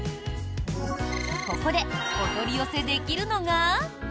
ここでお取り寄せできるのが。